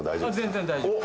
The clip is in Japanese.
全然大丈夫です。